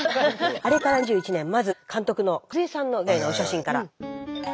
あれから２１年まず監督の和枝さんの現在のお写真から。